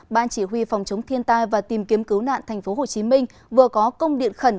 ban chỉ huy phòng chống thiên tai và tìm kiếm cứu nạn tp hcm vừa có công điện khẩn